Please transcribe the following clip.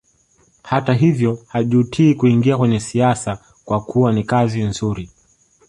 Hata hivyo hajutii kuingia kwenye siasa kwa kuwa ni kazi nzuri